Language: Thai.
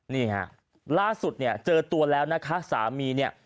นี่ฮะล่าสุดเนี่ยเจอตัวแล้วนะคะสามีเนี่ย